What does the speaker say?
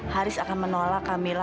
haris akan menolak kamila